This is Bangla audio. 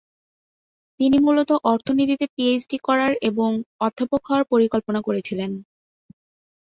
তিনি মূলত অর্থনীতিতে পিএইচডি করার এবং অধ্যাপক হওয়ার পরিকল্পনা করেছিলেন।